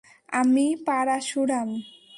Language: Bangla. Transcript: আমি, পারাসুরাম।